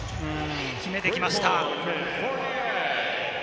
決めてきました。